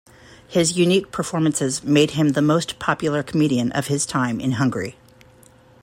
His unique performances made him the most popular comedian of his time in Hungary.